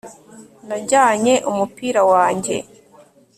najyanye umupira wanjye